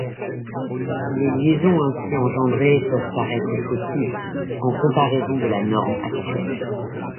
Les liaisons ainsi engendrées peuvent paraître fautives en comparaison de la norme actuelle.